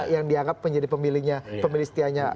yang dianggap menjadi pemilihnya pemilih setianya